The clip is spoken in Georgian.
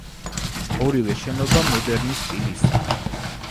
ორივე შენობა „მოდერნის“ სტილისაა.